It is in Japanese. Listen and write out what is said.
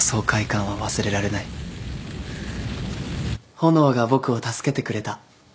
炎が僕を助けてくれた。